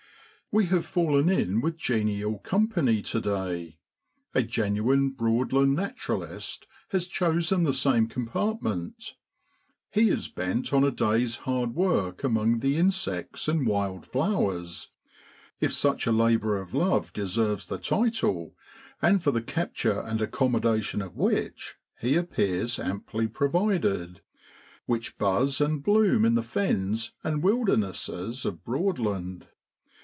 We have fallen in with genial company to day. A genuine Broadland Natur alist has chosen the same compartment ; he is bent on a day's hard work among the insects and wild flowers (if such a labour of love deserves the title, and for the capture and accommodation of which he appears amply provided), which buzz and bloom in the fens and wildnesses of Broadland.